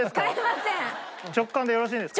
直感でよろしいですか？